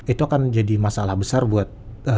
itu akan jadi masalah besar buat